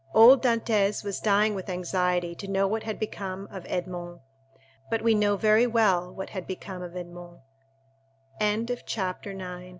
Old Dantès was dying with anxiety to know what had become of Edmond. But we know very well what had become of Edmond. Chapter 10. The King's Closet at th